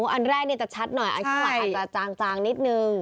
อันแรกจะชัดหน่อยอันที่หลายจะจางนิดหนึ่ง